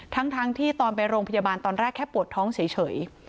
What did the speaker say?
ทั้งที่ก็ไปที่โรงพยาบาลนั้นแค่ปวดท้องเฉย